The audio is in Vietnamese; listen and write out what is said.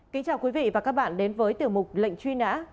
kính chào quý vị và các bạn đến với tiểu mục lệnh truy nã